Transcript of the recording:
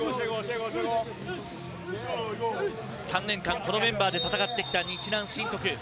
３年間このメンバーで戦ってきた日南振徳。